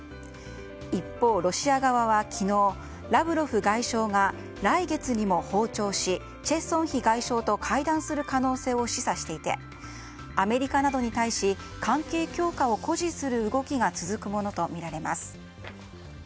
一方、ロシア側は昨日ラブロフ外相が来月にも訪朝しチェ・ソンヒ外相と会談する可能性を示唆していてアメリカなどに対し関係強化を誇示する動きが続くものとみられます。